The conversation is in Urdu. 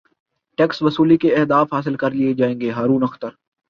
ٹیکس وصولی کے اہداف حاصل کرلئے جائیں گے ہارون اختر